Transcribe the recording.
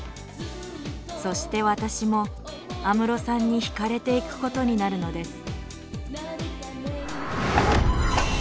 そして私も安室さんにひかれていくことになるのです。